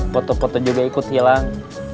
foto foto juga ikut hilang